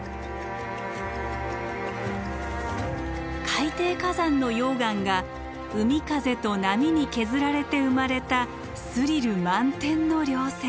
海底火山の溶岩が海風と波に削られて生まれたスリル満点の稜線。